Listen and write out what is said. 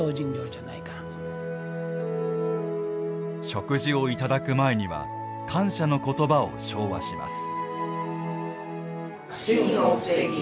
食事をいただく前には感謝の言葉を唱和します。